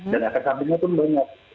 dan efek sampingnya itu banyak